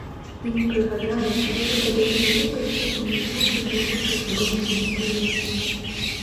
І не прыгадаю, ці былі падобныя выпадкі ў найноўшай беларускай футбольнай гісторыі.